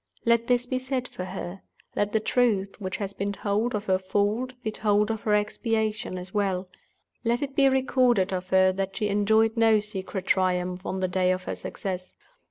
Let this be said for her; let the truth which has been told of the fault be told of the expiation as well. Let it be recorded of her that she enjoyed no secret triumph on the day of her success.